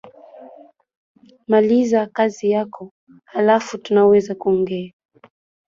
Maliza kazi yako alafu tunaweza kuongea